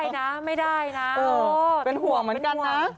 ไม่ได้นะไม่ได้นะเป็นห่วงเหมือนกันนะ